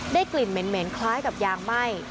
กลิ่นเหม็นคล้ายกับยางไหม้